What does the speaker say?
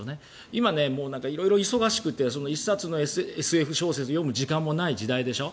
今、色々忙しくて１冊のＳＦ小説を読む時間もない時代でしょ。